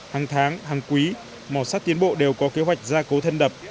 hàng tháng hàng quý mò sắt tiến bộ đều có kế hoạch gia cố thân đập